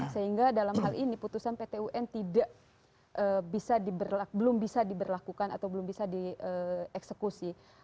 sehingga dalam hal ini putusan pt un tidak bisa diberlakukan atau belum bisa dieksekusi